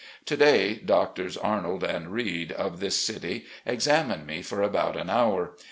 To day Doctors Arnold and Reed, of this city, examined me for about an hour.